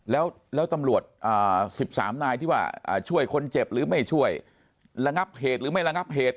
แล้วตำรวจ๑๓นายที่ว่าช่วยคนเจ็บหรือไม่ช่วยระงับเหตุหรือไม่ระงับเหตุ